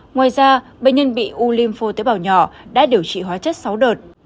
ngoài ra bệnh nhân bị u lympho tế bào nhỏ đã điều trị hóa chất sáu đợt